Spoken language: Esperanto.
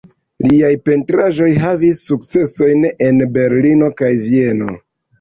Liaj pentraĵoj havis sukcesojn en Berlino kaj Vieno.